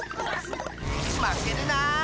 まけるな！